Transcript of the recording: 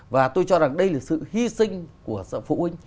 và tôi cho rằng đây là sự hy sinh của phụ huynh